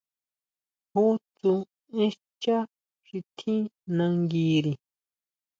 ¿Jú tsú én xchá xi tjín nanguiri?